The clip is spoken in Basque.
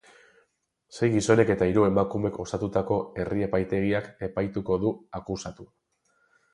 Sei gizonek eta hiru emakumek osatutako herri-epaitegiak epaituko du akusatua.